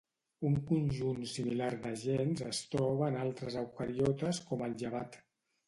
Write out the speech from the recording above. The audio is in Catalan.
Un conjunt similar de gens es troba en altres eucariotes com el llevat.